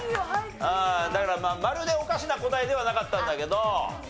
だからまるでおかしな答えではなかったんだけど。